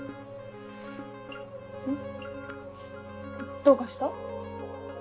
どうかした？